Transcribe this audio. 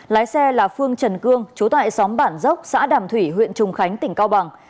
lái xe là phương trần cương chú tại xóm bản dốc xã đàm thủy huyện trùng khánh tỉnh cao bằng